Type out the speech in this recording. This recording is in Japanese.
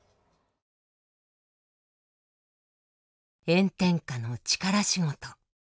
炎天下の力仕事。